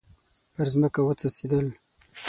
پر مځکه وڅڅیدل